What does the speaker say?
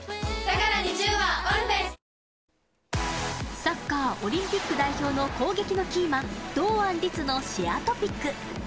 サッカーオリンピック代表の攻撃のキーマン、堂安律のシェアＴＯＰＩＣ。